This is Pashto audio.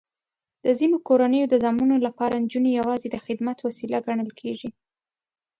د ځینو کورنیو د زامنو لپاره نجونې یواځې د خدمت وسیله ګڼل کېږي.